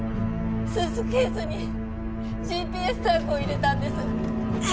スーツケースに ＧＰＳ タグを入れたんです